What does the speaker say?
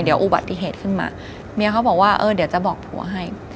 เดี๋ยวอุบัติเหตุขึ้นมาเมียเขาบอกว่าเออเดี๋ยวจะบอกผัวให้